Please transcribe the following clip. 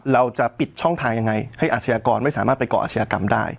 เราจะปิดช่องทางยังไงให้อาชญากรไม่สามารถไปก่ออาชญากรรมได้